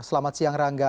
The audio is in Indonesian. selamat siang rangga